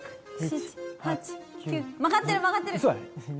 曲がってる曲がってるウソや！？